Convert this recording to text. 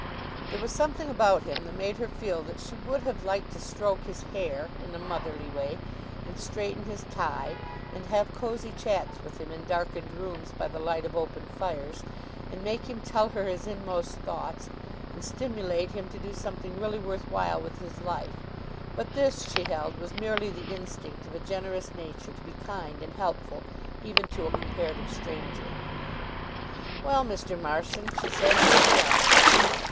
There was something about him that made her feel that she would have liked to stroke his hair in a motherly way and straighten his tie, and have cozy chats with him in darkened rooms by the light of open fires, and make him tell her his inmost thoughts, and stimulate him to do something really worth while with his life; but this, she held, was merely the instinct of a generous nature to be kind and helpful even to a comparative stranger. "Well, Mr. Marson," she said, "Here we are!"